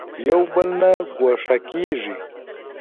یو بل نه ګوښه کېږي.